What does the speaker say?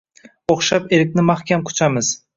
O’xshab erkni mahkam quchamiz.